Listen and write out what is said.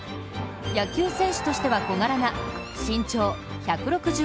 野球選手としては小柄な身長１６６ｃｍ。